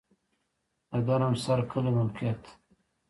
د ګرم سر کلی موقعیت